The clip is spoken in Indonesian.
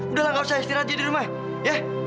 udah lah enggak usah istirahat aja di rumah ya